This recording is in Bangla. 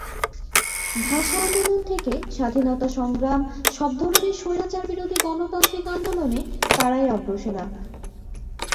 ভাষা আন্দোলন থেকে স্বাধীনতাসংগ্রাম সব ধরনের স্বৈরাচারবিরোধী গণতান্ত্রিক আন্দোলনে তাঁরাই অগ্রসেনা।